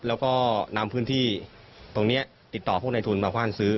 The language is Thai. แล้วก็นำพื้นที่ตรงนี้ติดต่อพวกในทุนมาว่านซื้อ